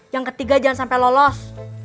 yang ketiga jangan sampai lolos